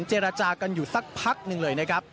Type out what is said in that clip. เจรจากันอยู่สักพักหนึ่งเลยนะครับ